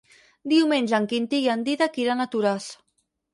Diumenge en Quintí i en Dídac iran a Toràs.